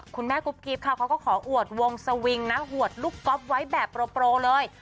คุณแม่กุ๊บกิ๊บค่ะเขาก็ขออวดวงสวิงนะอวดลูกก๊อฟไว้แบบโปรเลย